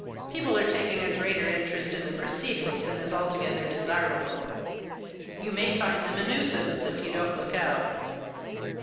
People are taking a greater interest in the proceedings than is altogether desirable. You may find them a nuisance if you don't look out."